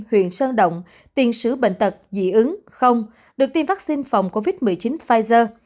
huyện sơn động tiền sứ bệnh tật dị ứng không được tiêm vaccine phòng covid một mươi chín pfizer